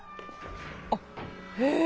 あっへえ！